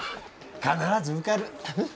必ず受かる！